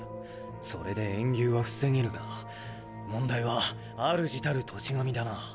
それで炎牛は防げるが問題は主たる土地神だな。